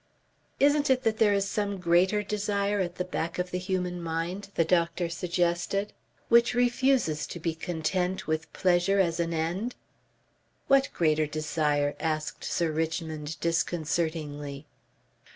"Isn't it that there is some greater desire at the back of the human mind?" the doctor suggested. "Which refuses to be content with pleasure as an end?" "What greater desire?" asked Sir Richmond, disconcertingly.